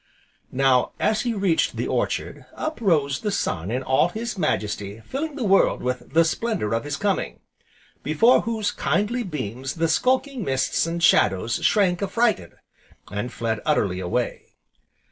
Now, as he reached the orchard, up rose the sun in all his majesty filling the world with the splendour of his coming, before whose kindly beams the skulking mists and shadows shrank affrighted, and fled utterly away.